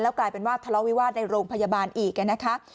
กลายเป็นว่าทะเลาวิวาสในโรงพยาบาลอีกนะคะ